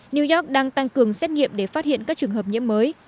new york đang tăng cường xét nghiệm để phát hiện các trường hợp nhiễm mới